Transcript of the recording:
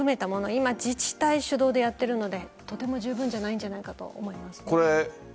今、自治体主導でやっているのではとても十分じゃないかなと思います。